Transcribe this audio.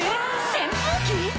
扇風機⁉